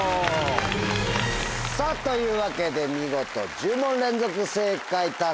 さぁというわけで見事１０問連続正解達成。